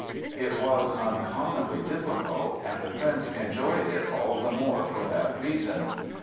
It was uncommonly difficult and the Prince enjoyed it all the more for that reason.